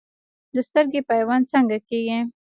د سترګې پیوند څنګه کیږي؟